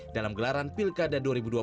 dalam gelaran pilkada dua ribu dua puluh